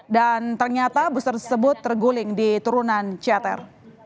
dan ternyata bus tersebut terguling di turunan ciater